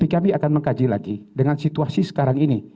kami akan mengkaji lagi dengan situasi sekarang ini